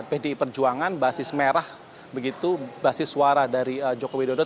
pdi perjuangan basis merah begitu basis suara dari joko widodo